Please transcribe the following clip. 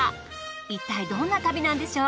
いったいどんな旅なんでしょう